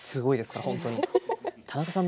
田中さん